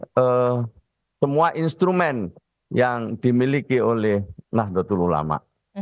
terhadap semua instrumen yang dimiliki oleh nahdlatul ulama